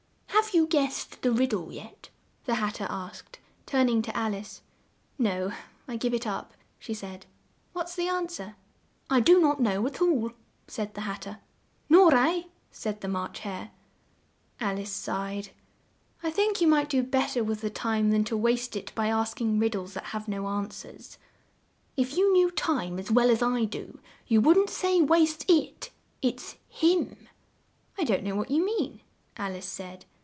"Have you guessed the rid dle yet?" the Hat ter asked, turn ing to Al ice. "No, I give it up," she said. "What's the an swer?" "I do not know at all," said the Hat ter. "Nor I," said the March Hare. Al ice sighed. "I think you might do bet ter with the time than to waste it, by ask ing rid dles that have no an swers." "If you knew Time as well as I do, you wouldn't say 'waste it.' It's him." "I don't know what you mean," Al ice said.